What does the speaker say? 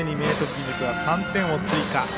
義塾が３点を追加。